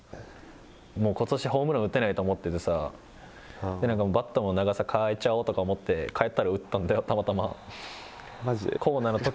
もう、ことしホームラン打てないと思っててさ、なんかバットの長さ変えちゃおうと思って、変えたら、打ったんだマジで？